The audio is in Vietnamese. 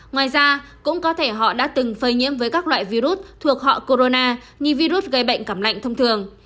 ngoài ra cũng có thể họ đã từng phơi nhiễm với các loại virus thuộc họ corona corona như virus gây bệnh cảm lạnh thông thường